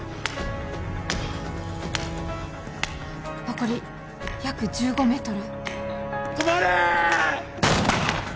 残り約１５メートル止まれー！